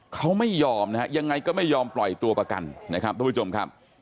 เขาไม่ยอมนะฮะยังไงก็ไม่ยอมปล่อยตัวประกันนะครับทุกผู้ชมครับ